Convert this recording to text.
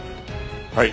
はい。